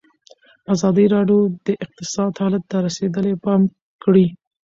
ازادي راډیو د اقتصاد حالت ته رسېدلي پام کړی.